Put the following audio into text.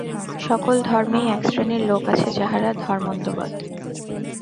সকল ধর্মেই একশ্রেণীর লোক আছে, যাহারা ধর্মোন্মাদ।